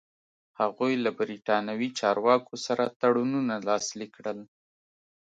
هغوی له برېټانوي چارواکو سره تړونونه لاسلیک کړل.